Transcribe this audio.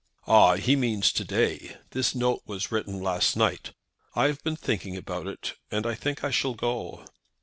"Ah; he means to day. The note was written last night. I have been thinking about it, and I think I shall go."